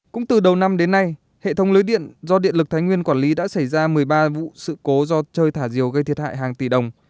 cũng từ đầu năm đến nay hệ thống lưới điện do điện lực thái nguyên quản lý đã xảy ra một mươi ba vụ sự cố do chơi thả diều gây thiệt hại hàng tỷ đồng